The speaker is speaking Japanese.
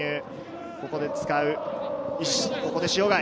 ここで使う、塩貝。